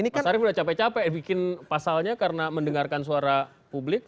mas arief udah capek capek bikin pasalnya karena mendengarkan suara publik